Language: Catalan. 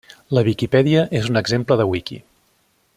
La Wikipedia és un exemple de wiki.